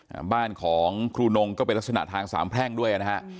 อ่าบ้านของครูนงก็เป็นลักษณะทางสามแพร่งด้วยนะฮะ